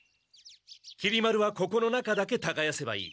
きり丸はここの中だけたがやせばいい。